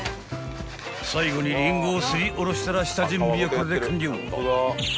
［最後にリンゴをすりおろしたら下準備はこれで完了］